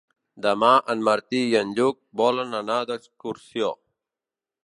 Demà en Martí i en Lluc volen anar d'excursió.